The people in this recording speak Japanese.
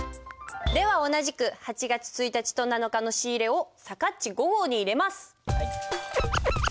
では同じく８月１日と７日の仕入れをさかっち５号に入れます。